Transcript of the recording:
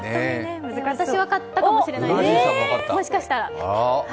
私、分かったかもしれないです、もしかしたら。